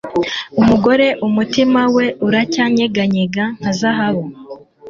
umugore umutima we uracyanyeganyega nka zahabu